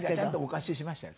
お貸ししましたよ